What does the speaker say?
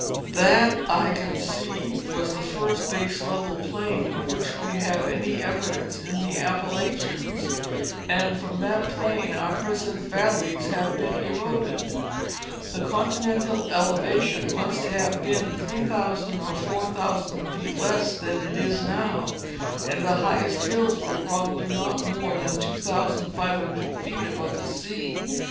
That, 1 conceive, was the first base level plain of which we have any evidence in the Appalachians and from that plain our present valleys have been eroded. The con tinental elevation must then have been 3,000 or 4,000 feet less than it is now, and the highest hills were probably not more than 2,500 feet above the sea.